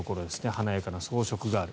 華やかな装飾がある。